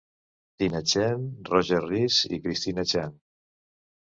Tina Chen, Roger Rees i Christina Chang.